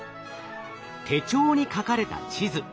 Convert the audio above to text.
手帳に書かれた地図。